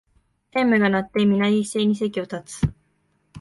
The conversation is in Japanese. チャイムが鳴って、みな一斉に席を立つ